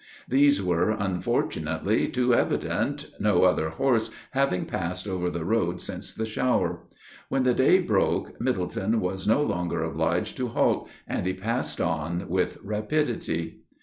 These were, unfortunately, too evident, no other horse having passed over the road since the shower. When the day broke, Middleton was no longer obliged to halt, and he passed on with rapidity.